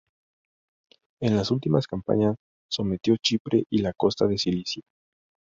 En las últimas campañas sometió Chipre y la costa de Cilicia.